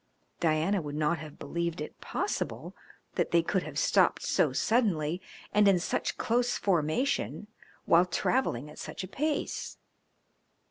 Diana would not have believed it possible that they could have stopped so suddenly and in such close formation while travelling at such a pace.